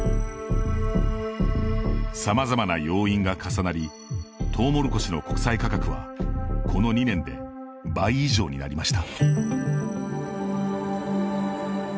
さまざまな要因が重なりトウモロコシの国際価格はこの２年で倍以上になりました。